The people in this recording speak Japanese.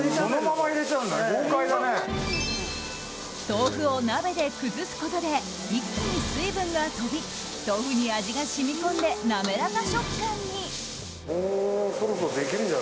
豆腐を鍋で崩すことで一気に水分が飛び豆腐に味が染み込んで滑らか食感に。